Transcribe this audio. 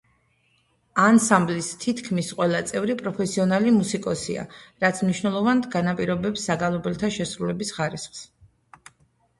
ანსამბლის თითქმის ყველა წევრი პროფესიონალი მუსიკოსია, რაც მნიშვნელოვნად განაპირობებს საგალობელთა შესრულების ხარისხს.